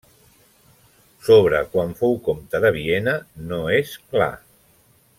Sobre quan fou comte de Viena no és clar.